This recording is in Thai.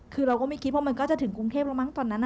คือเราก็ไม่คิดว่ามันก็จะถึงกรุงเทพแล้วมั้งตอนนั้น